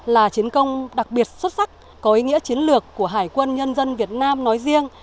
là chiến công đặc biệt xuất sắc có ý nghĩa chiến lược của hải quân nhân dân việt nam nói riêng